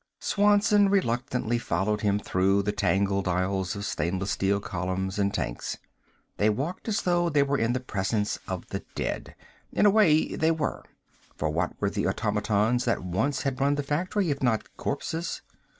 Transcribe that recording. Swanson reluctantly followed him through the tangled aisles of stainless steel columns and tanks. They walked as though they were in the presence of the dead. In a way, they were, for what were the automatons that once had run the factory, if not corpses?